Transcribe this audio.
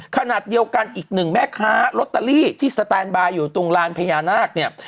ขณะเดียวกันอีกหนึ่งแม่ค้าลอตเตอรี่ที่สแตนบายอยู่ตรงลานพญานาคเนี่ย